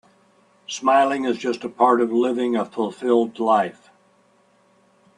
Smiling is just part of living a fulfilled life.